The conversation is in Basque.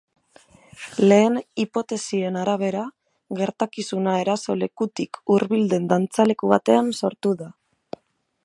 Lehen hipotesien arabera, gertakizuna eraso lekutik hurbil den dantzaleku batean sortu da.